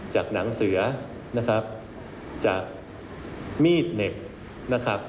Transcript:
จากหนังเสื้อจากมีดเหน็บ